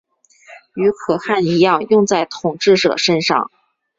与可汗一样用在统治者身上。